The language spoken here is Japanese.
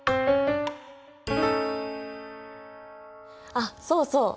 あっそうそう。